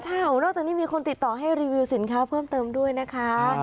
นอกจากนี้มีคนติดต่อให้รีวิวสินค้าเพิ่มเติมด้วยนะคะ